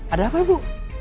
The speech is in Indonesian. ada apa bu